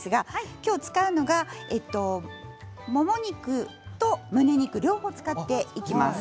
今日使うのはもも肉とむね肉両方使っていきます。